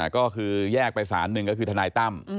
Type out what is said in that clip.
ก็คือแยกไปสารหนึ่งก็คือทนายตั้ม